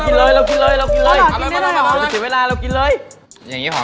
พี่ก๊อตว่างเงิน๗๐๐